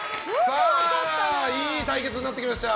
いい対決になってきました。